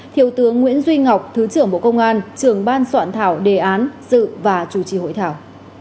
thiếu tướng nguyễn duy ngọc thứ trưởng bộ công an trưởng ban soạn thảo đề án dự và chủ trì hội thảo